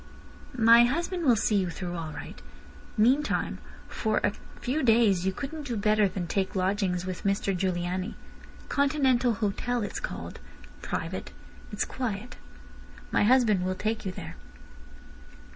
"My husband will see you through all right. Meantime for a few days you couldn't do better than take lodgings with Mr Giugliani. Continental Hotel it's called. Private. It's quiet. My husband will take you there."